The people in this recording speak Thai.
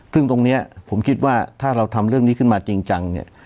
ซึ่งตรงนี้ผมคิดว่าถ้าเราทำเรื่องนี้ขึ้นมาจริงจังเนี่ย